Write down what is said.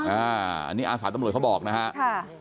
อันนี้อาสาตำรวจเขาบอกนะครับ